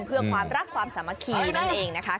เพื่องรักความสามารถนั้นเองนะครับ